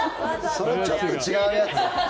それはちょっと違うやつ。